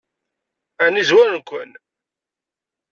Ɛni zwaren-ken?